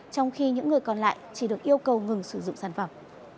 trong khi những người còn lại chỉ được yêu cầu ngừng sử dụng sản phẩm